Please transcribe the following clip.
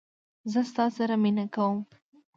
زه ستا سره مینه کوم